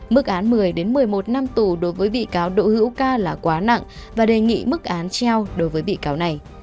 mức án một mươi một mươi một năm tù đối với bị cáo đỗ hữu ca là quá nặng và đề nghị mức án treo đối với bị cáo này